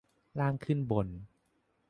ล่างขึ้นบน